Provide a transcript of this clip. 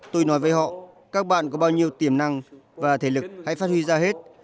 tôi nói với họ các bạn có bao nhiêu tiềm năng và thể lực hãy phát huy ra hết